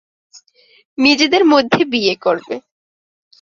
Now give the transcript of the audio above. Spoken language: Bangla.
নিজেদের মধ্যে বিয়ে করবে।